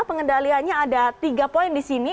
pengendaliannya ada tiga poin di sini